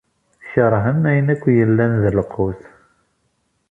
Kerhen ayen akk yellan d lqut.